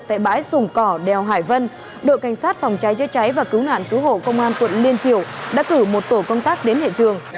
tại bãi sùng cỏ đèo hải vân đội cảnh sát phòng cháy chữa cháy và cứu nạn cứu hộ công an quận liên triều đã cử một tổ công tác đến hiện trường